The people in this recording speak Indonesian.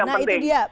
nah itu dia